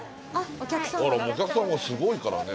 お客さんがすごいからね。